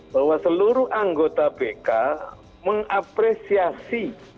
bahwa seluruh anggota bk mengapresiasi